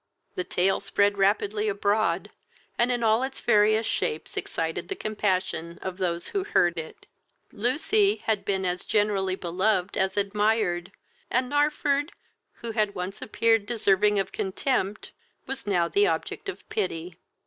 The tale spread rapidly abroad, and in all its various shapes excited the compassion of those who heard it. Lucy had been as generally beloved as admired, and Narford, who had once appeared deserving of contempt, was now the object of pity.